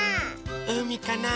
うみかな？